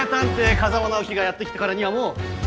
風真尚希がやって来たからにはもう。